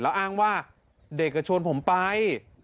แล้วอ้างว่าเด็กก็ชวนผมไป